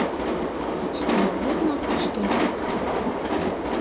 Stuovu i nakustu.